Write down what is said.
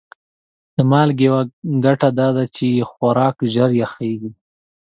د مالګې یوه ګټه دا ده چې خوراک ژر پخیږي.